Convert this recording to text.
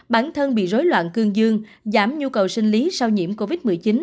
bản thân bị rối loạn cương dương giảm nhu cầu sinh lý sau nhiễm covid một mươi chín